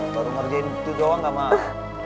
baru ngerjain gitu doang gak mah